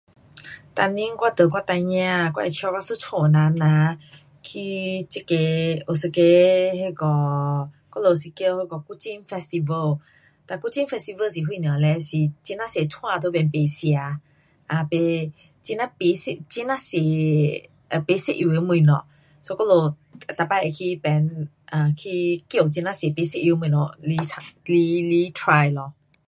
每年我跟我孩儿，我会带我一家的人呐，去这个有一个那个我们是叫那个 kuching festival，哒 kuching festival 是什么嘞？是很呀多摊在那边卖吃，啊，卖很呀多不一，很呀多啊不一样的东西，so 我们每次会去那边啊去叫很多不一样的东西来，来，来 try 咯。